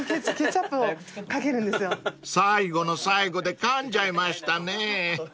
［最後の最後でかんじゃいましたね］